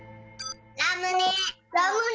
ラムネ。